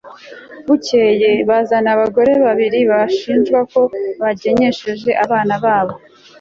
bukeye, bazana abagore babiri bashinjwa ko bagenyesheje abana babo